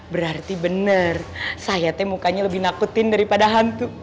berarti bener sayate mukanya lebih nakutin daripada hantu